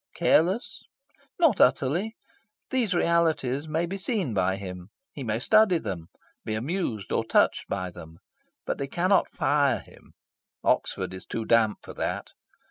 Careless? Not utterly. These realities may be seen by him. He may study them, be amused or touched by them. But they cannot fire him. Oxford is too damp for that.